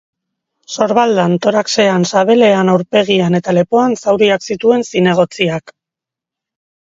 Sorbaldan, toraxean, sabelean, aurpegian eta lepoan zauriak zituen zinegotziak.